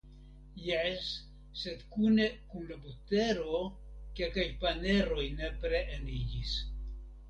Jes, sed kune kun la butero kelkaj paneroj nepre eniĝis.